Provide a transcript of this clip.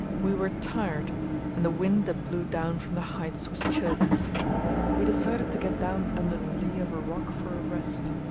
We were tired, and the wind that blew down from the heights was chilling us. We decided to get down under the lee of a rock for a rest.